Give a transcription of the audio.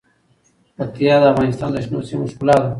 پکتیا د افغانستان د شنو سیمو ښکلا ده.